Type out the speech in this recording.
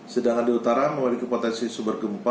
sedangkan di utara memiliki potensi sumber gempa